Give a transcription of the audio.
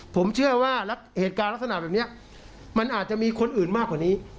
ผมเชื่อว่าเหตุการณ์ลักษณะแบบนี้มันอาจจะมีคนอื่นมากกว่านี้